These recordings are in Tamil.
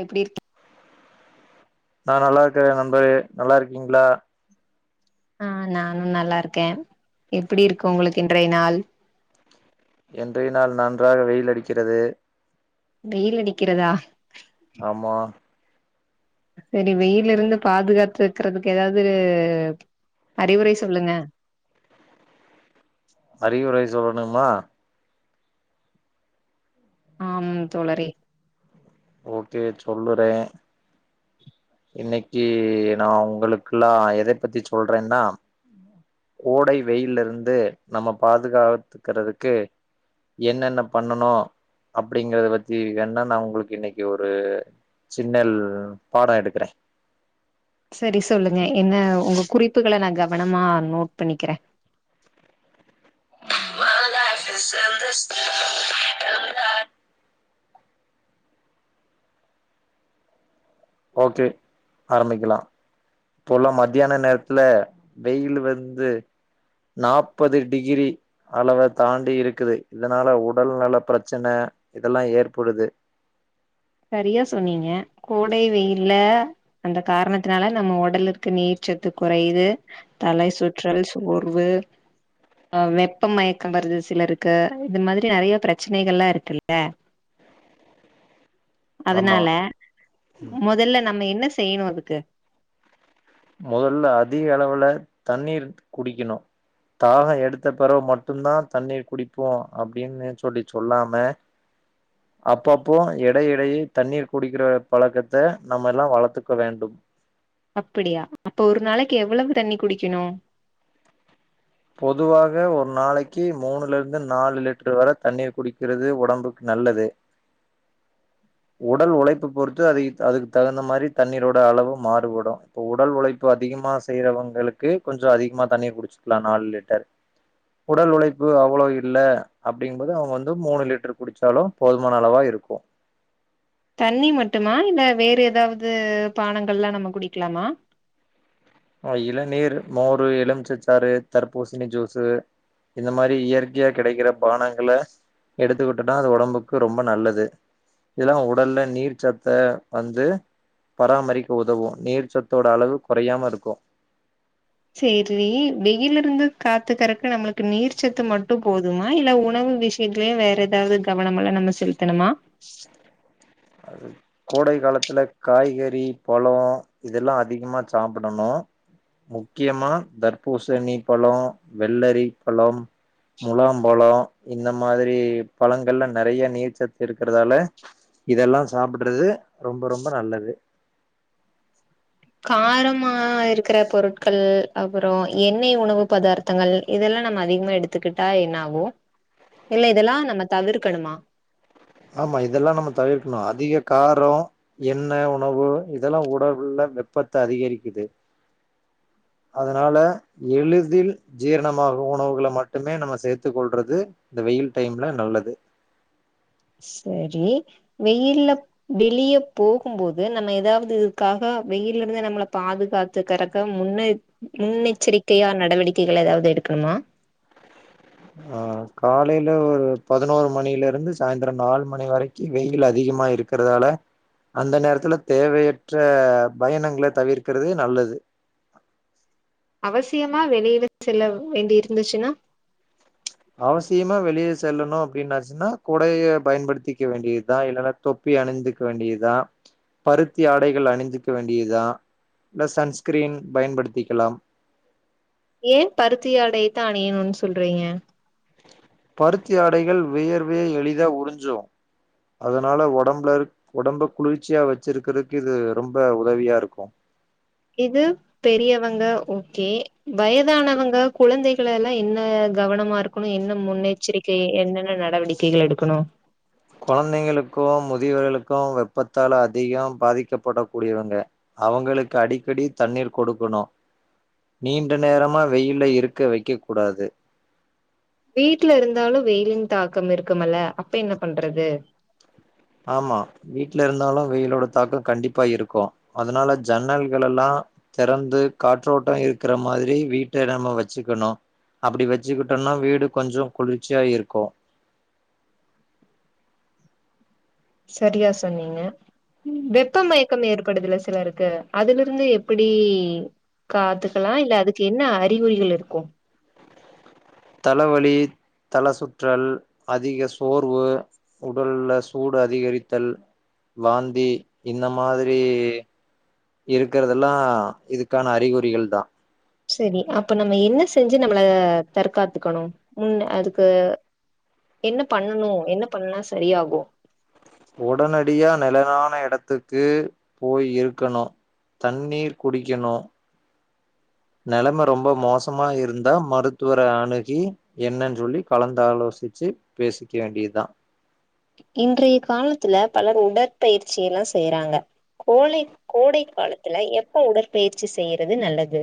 எப்டி நா நல்லார்க்க நண்பரே நல்லா இருக்கீங்ளா ஆ நானு நல்லாருக்க எப்டி இருக்கு உங்ளுக்கு இன்றைய நாள் இன்றைய நாள் நன்றாக வெயில் அடிக்கிறது வெயில் அடிக்கிறதா ஆமா செரி வெய்லருந்து பாதுகாத்துக்கறதுக்கு எதாது அறிவுரை சொல்லுங்க அறிவுரை சொ மா ஆம் தோழறே ஓகே சொல்லுற இன்னிக்கி நா உங்களுக்குல்லா நா எத பத்தி சொல்லுறேன்னா கோடை வெயில இருந்து நம்ம பாதுகாத்துக்கிறதுக்கு என்னென்ன பண்ணணு அப்டிங்கறத பத்தி வேண்ணா நா உங்களுக்கு இன்னிக்கு ஒரு சின்ன பாடம் எடுக்கிறே செரி சொல்லுங்க என்ன உங்க குறிப்புகள நா கவனமா நோட் பண்ணிக்கிற [unintelligible] ஓகே ஆரம்பிக்கலா இப்போல்லா மத்தியான நேரத்துல வெயில் வந்து நாற்பது டிகிரி அளவ தாண்டி இருக்குது இதனால உடல் நல பிரச்சன இதெல்லா ஏற்படுது சரியா சொன்னீங்க கோடை வெயில்ல அந்த காரணத்தினால நம்ம உடலுக்கு நீர்ச்சத்து குறையுது தலை சுற்றல் சோர்வு அஹ் வெப்ப மயக்கம் வருது சிலருக்கு இது மாதிரி நிறைய பிரச்சனைகள்ல்லா இருக்குல்ல ஆமா அதனால முதல்ல நம்ம என்ன செய்யணு அதுக்கு முதல்ல அதிக அளவுல தண்ணீர் குடிக்கணு தாகம் எடுத்த பெறவு மட்ட மட்டும் தா தண்ணீர் குடிப்போ அப்டின்னு சொல்லி சொல்லாம அப்பப்போ எட இட இடையே தண்ணீர் குடிக்கிற பழக்கத்த நம்ம எல்லா வளர்த்துக்க வேண்டும் அப்படியா அப்ப ஒரு நாளைக்கு எவ்வளவு தண்ணி குடிக்கணும் பொதுவாக ஒரு நாளைக் க்கி மூணுல இருந்து நாலு லிட்டர் வர தண்ணீர் குடிக்கிறது உடம்புக்கு நல்லது உடல் உழைப்பு பொறுத் த்து அத அதுக்கு தகுந்த மாரி தண்ணீரோட அளவு மாறுபடும் இப்போ உடல் உழைப்பு அதிகமா செய்யறவங்களுக்கு கொஞ்சோ அதிகமாக தண்ணீர் குடிச்சு குலா நாலு லிட்டர் உடல் உழைப்பு அவ்வளோ இரு இல்ல அப்படிங்கபோது அவங்க வந்து மூணு லிட்டர் குடிச்சாலும் போதுமான அளவா இருக்கும் தண்ணி மட்டுமா இல்ல வேற ஏதாவது பானங்கள்லா நம்ம குடிக்கலாமா ஆஹ் இளநீர் மோர் ஒரு எலுமிச்சச்சாறு தர்பூசணி ஜூசு இந்த மாதிரி இயற்கையாக கிடைக்கிற பானங்கள எடுத்துக்கிட்டனா அது உடம்புக்கு ரொம்ப நல்லது இதல்லா உடல்ல நீர் சத்தை வந்து பராமரிக்க உதவும் நீர் சத்தோட அளவு குறையாம இருக் கும் சேரி வெயில இருந்து காத்துக்கறக்கு நம்மளுக்கு நீர்ச்சத்து மட்டும் போதுமா இல்ல உணவு விஷயத்தலயே வேற ஏதாவது கவனம் எல்லா நம்ம செலுத்தணுமா கோடை காலத்துல காய்கறி பலோ இதெல்லா அதிகமாக சாப்பிடணும் முக்கியமா தர்பூசணி பலோ வெள்ளரி பழம் முலாம்பழ இந்த மாதிரி பழங்கள்ல நெறைய நீர்ச்சத்து இருக்கிறதால இதெல்லா சாப்பிடுறது ரொம்ப ரொம்ப நல்லது காரமா இருக்கிற பொருட்கள் அப்புறம் எண்ணெய் உணவு பதார்த்தங்கள் இதெல்லா நம்ம அதிகமா எடுத்துக்கிட்டா என்னாகும் இல்ல இதெல்லா நம்ம தவிர்க்கணுமா ஆமா இதெல்லா நம்ம தவிர்க்கணும் அதிக காரம் எண்ணெ உணவு இதெல்லா உடவுல வெப்பத்தை அதிகரிக்குது அதனால எளிதில் ஜீரணமாக உணவுகளை மட்டுமே நம்ம சேர்த்துக் கொள்றது இந்த வெயில் டைம்ல நல்லது செரி வெயில்ல வெளியே போகும்போது நம்ம ஏதாவது இதுக்காக வெயில இருந்து நம்மளை பாதுகாத்துக்கிறக்க முன்ன முன்னெச்சரிக்கையா நடவடிக்கைகள் ஏதாவது எடுக்கணுமா ஆஹ் காலையில ஒரு பதினோரு மணியில இருந்து சாய்ந்திரம் நாலு மணி வரைக்கு வெயில் அதிகமா இருக்கிறதால அந்த நேரத்துல தேவையற்ற பயணங்களை தவிர்க்கிறது நல்லது அவசியமா வெளிய செல்ல வேண்டிய இருந்துச்சுன்னா அவசியமா வெளிய செல்லணு அப்டின்னாச்சின்னா குடைய பயன்படுத்திக்க வேண்டியதுதா இல்லனா தொப்பி அணிந்துக்க வேண்டியதுதா பருத்தி ஆடைகள் அணிந்துக்க வேண்டியதுதா இல்ல சன்ஸ்கிரீன் பயன்படுத்திக்கலாம் ஏன் பருத்தியாடை தா அனியனு சொல் சொல்றீங்க பருத்தி ஆடைகள் வியர்வ எளித உறிஞ்சு அதனால உடம்புல இரு ஒடம்ப குளிர்ச்சியா வச்சிருக்கிறதுக்கு இது ரொம்ப உதவியாருக்கோ இது பெரியவங்க ஓகே வயதானவங்க குழந்தைகள எல்லா என்ன கவனமா இருக்கணு என்ன முன்னெச்சரிக்கை என்னென்ன நடவடிக்கைகள் எடுக்கணு குழந்தைங்களுக்கோ முதியவர்களுக்கோ வெப்பத்தால அதிகம் பாதிக்கப்படக்க கூடியவங்க அவங்களுக்கு அடிக்கடி தண்ணீர் கொடுக்கணோ நீண்ட நேரமா வெயில இருக்க வைக்க கூடாது வீட்ல இருந்தாலு வெயிலின் தாக்கம் இருக்குமல அப்ப என்ன பண்றது ஆமா வீட்டுல இருந் இருதாலு வெயிலோட தாக்கம் கண்டிப்பா இருக்கோ அதனால ஜன்னல்கள்லா தறந்து காற்றோட்டம் இருக்கிற மாரி வீட்ட நம்ம வச்சிக்கணு அப்டி வச்சுக்கிட்டோம்னா வீடு கொஞ்சோ குளிர்ச்சியா இருக்கோ செரியா சொன்னீங்க வெப்ப மயக்கம் ஏற்படுதுல சில இருக்கு அதுல இருந்து எப்படி காத்துக்கலா இல்ல அதுக்கு என்ன அறிகுறிகள் இருக்கும் தலவலி தல சுற்றல் அதிக சோர்வு உடல சூடு அதிகரித்தல் வாந்தி இன்ன மாதிரி இருக்கறதெல்லா இதுக் க்கான அறிகுறிகள் தா செரி அப்ப நம்ம என்ன செஞ்சு நம்மள தற்காத்துக்கணே முன்ன அதுக்கு என்ன பண்ணணு என்ன பண்ணனா செரியாகோ உடனடியா நிலனான இடத்துக்கு போய் இருக்கணோ தண்ணீர் குடிக்கணோ நலம ரொம்ப மோச [unintelligible] மா இருந்தா மருத்துவர அணுகி என்னன்னு சொல்லி கலந்தாலோசிச்சு பேசிக்க வேண்டியதுதா இன்றைய காலத்துல பலர் உடற்பயிற்சியெல்லா செய்யறாங்க கோலை கோடை காலத்துல எப்ப உடற்பயிற்சி செய்யறது நல்லது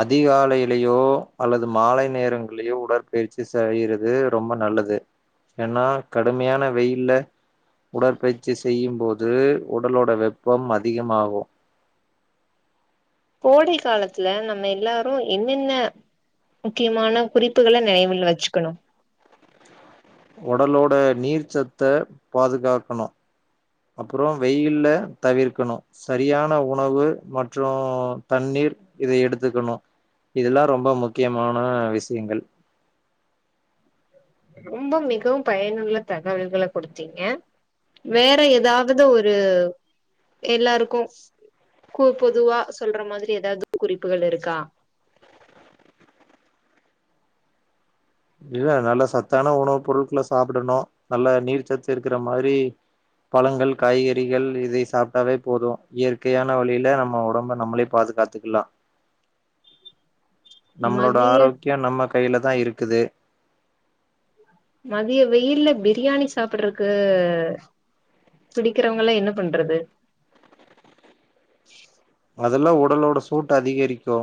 அதிகாலையிலயோ அல்லது மாலை நேரங்களலையோ உடற்பயிற்சி செய்யறது ரொம்ப நல்லது ஏன்னா கடுமையான வெயில உடற்பயிற்சி செய்யு போது இது உடலோட வெப்பம் அதிகமாகோ கோடை காலத்துல நம்ம எல்லாரு என்னென்ன முக்கியமான குறிப்புகள நனைவில வச்சுக்கணு ஒடலோட நீர் சத்த பாதுகாக்கனோ அப்புரறோ வெயில தவிர்க்கனோ செரியான உணவு மற்றும் தண்ணீர் இதை எடுத்துக்கணு இதெல்லா ரொம்ப முக்கியமான விஷயங்கள் ரொம்ப மிகவு பயனுள்ள தகவல்கள குடுத்தீங்க வேற எதாவது ஒரு எல்லாருக்கு கோ பொதுவா சொல்ற மாதிரி ஏதாவது குறிப்புகள் இருக்கா இல்ல நல்ல சத்தான உணவு பொருட்கள சாப்டனோ நல்லா நீர் சத்து இருக்கிற மாரி பழங்கள் காய்கறிகள் இதை சாப்பிட்டாவே போதும் இயற்கையான வழில நம்ம உடம்ப நம்மளே பாதுகாத்துக்கலா நம்மளோட மதிய ஆரோக்கியம் நம்மக் கைல தா இருக்குது மதிய வெயில்ல பிரியாணி சாப்டுறக்கு பிடிக்கிறவங்கள் என்ன பண்றது அதெல்லா உடலோட சூட்டு அதிகரிக்கோ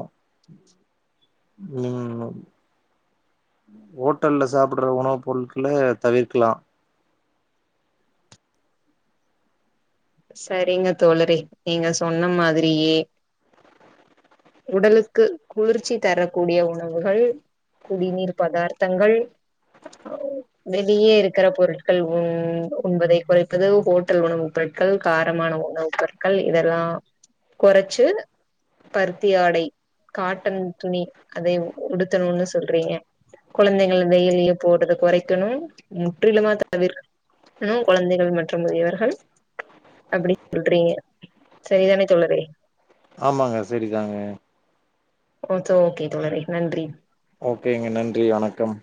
உம் ஹோட்டல்ல சாப்டுற உணவு பொருட்கள தவிர்க்கலா செரிங்க தோழரெ நீங்க சொன்ன மாதிரியே உடலுக்கு குளிர்ச்சி தரக்கூடிய உணவுகள் குடிநீர் பதார்த்தங்கள் வெளியே இருக்கிற பொருட்கள் உ உண்பதை குறைப்பது ஹோட்டல் உணவு பொரு காரமான உணவு பொருட்கள் இதெல்லா கொறச்சு பருத்தி ஆடை காட்டன் துணி அதை உடுத்தணுனு சொல்றீங்க கொழந்தைகள் வெயில்ல போறத கொறைக்கணும் முற்றிலுமா தவிர்க்க குழந்தைகள் மற்றும் முதியவர்கள் அப்டின் சொல்றீங்க செரிதானே தோழறே ஆமாங்க செரிதாங்க ஓகே ஓகே தோழரே நன்றி ஓகேங்க நன்றி வணக்கம்